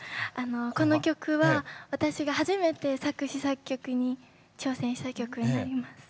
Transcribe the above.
この曲は私が初めて作詞作曲に挑戦した曲になります。